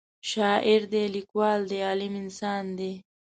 شاعر دی لیکوال دی عالم انسان دی